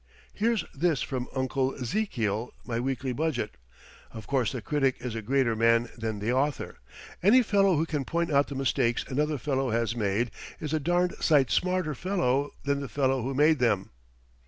Here's this from Uncle Zekiel, my weekly budget: 'Of course the critic is a greater man than the author. Any fellow who can point out the mistakes another fellow has made is a darned sight smarter fellow than the fellow who made them.'"